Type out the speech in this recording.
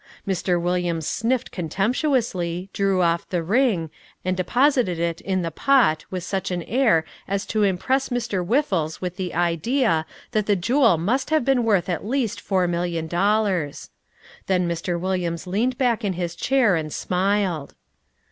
Mr. Williams sniffed contemptuously, drew off the ring, and deposited it in the pot with such an air as to impress Mr. Whiffles with the idea that the jewel must have been worth at least four million dollars. Then Mr. Williams leaned back in his chair and smiled.